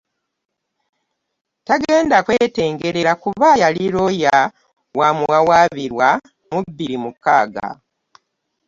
Tagenda kwetengerera kuba yali looya wa muwawaabirwa mu bbiri mukaaga.